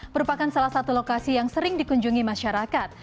merupakan salah satu lokasi yang sering dikunjungi masyarakat